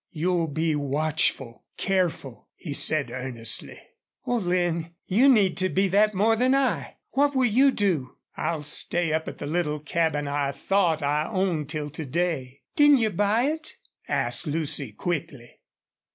"You'll be watchful careful," he said, earnestly. "Oh, Lin, you need to be that more than I.... What will you do?" "I'll stay up at the little cabin I thought I owned till to day." "Didn't you buy it?" asked Lucy, quickly.